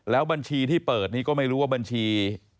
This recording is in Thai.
บัญชีที่เปิดนี่ก็ไม่รู้ว่าบัญชี